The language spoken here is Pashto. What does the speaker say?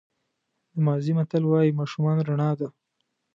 د مازی متل وایي ماشومان رڼا ده.